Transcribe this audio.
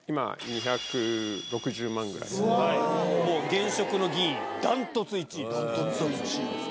現職の議員断トツ１位です。